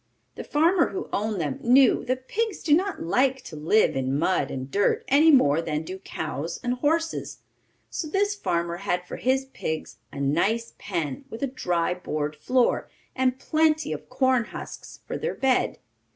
The farmer who owned them knew that pigs do not like to live in mud and dirt any more than do cows and horses, so this farmer had for his pigs a nice pen, with a dry board floor, and plenty of corn husks for their bed.